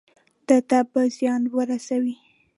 ده ته به زیان ورسوي.